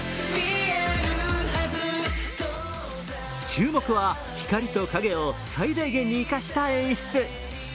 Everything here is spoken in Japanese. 注目は光と影を最大限に生かした演出。